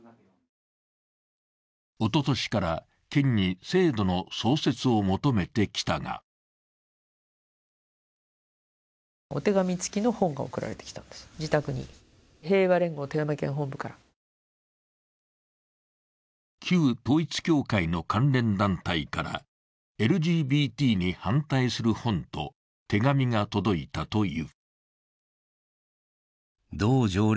おととしから県に制度の創設を求めてきたが旧統一教会の関連団体から、ＬＧＢＴに反対する本と手紙が届いたという。